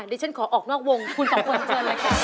เดี๋ยวฉันขอออกนอกวงคุณสองคนเจอแล้วค่ะ